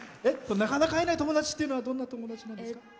なかなか会えない友達っていうのはどんな友達ですか？